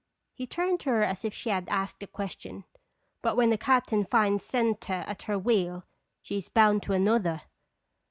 He turned to her as if she had asked a question. "But when the captain finds Senta at her wheel, she is bound to another."